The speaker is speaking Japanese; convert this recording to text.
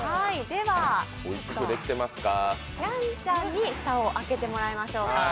では、やんちゃんに蓋を開けてもらいましょうか。